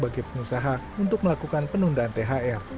bagi pengusaha untuk melakukan penundaan thr